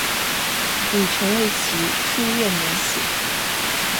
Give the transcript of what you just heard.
与陈瑞祺书院联系。